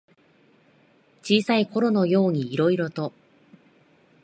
小さいころのようにいろいろと。